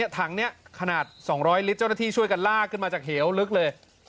ถังนี้ขนาด๒๐๐ลิตรเจ้าหน้าที่ช่วยกันลากขึ้นมาจากเหวลึกเลย